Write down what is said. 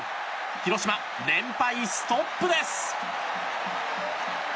広島、連敗ストップです！